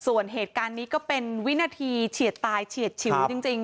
ส่วนเหตุการณ์นี้ก็เป็นวินาทีเฉียดตายเฉียดฉิวจริง